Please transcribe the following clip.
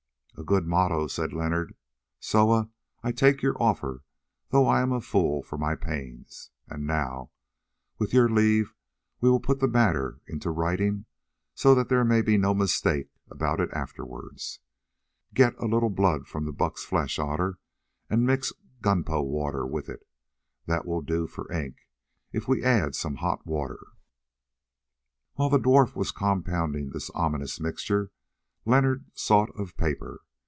"A good motto," said Leonard. "Soa, I take your offer, though I am a fool for my pains. And now, with your leave, we will put the matter into writing so that there may be no mistake about it afterwards. Get a little blood from the buck's flesh, Otter, and mix gunpowder with it; that will do for ink if we add some hot water." While the dwarf was compounding this ominous mixture Leonard sought of paper.